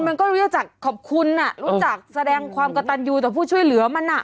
มันก็รู้จักขอบคุณรู้จักแสดงความกระตันยูต่อผู้ช่วยเหลือมันอ่ะ